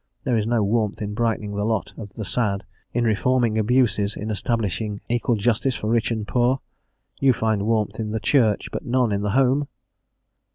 There is no warmth in brightening the lot of the sad, in reforming abuses, in establishing equal justice for rich and poor? You find warmth in the church, but none in the home?